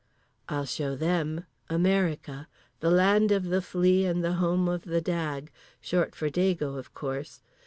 I'll show them. America. The land of the flea and the home of the dag'—short for dago of course.